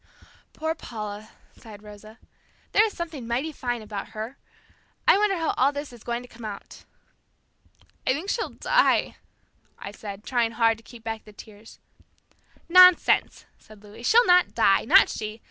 "Poor Paula!" sighed Rosa. "There is something mighty fine about her. I wonder how all this is going to come out." "I think she'll die," I said, trying hard to keep back the tears. "Nonsense," said Louis, "she'll not die! Not she!